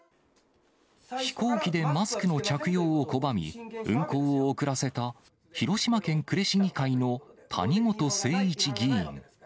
飛行機でマスクの着用を拒み、運航を遅らせた、広島県呉市議会の谷本誠一議員。